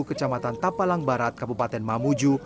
kecamatan tapalang barat kabupaten mamuju